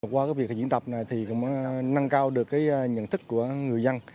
qua các việc diễn tập này thì cũng nâng cao được cái nhận thức của người dân